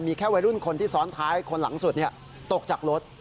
มีแค่วัยรุ่นคนที่ซ้อนท้ายคนหลังสุดตกจากรถ